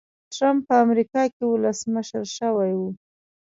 ټرمپ په امریکا کې ولسمشر شوی و.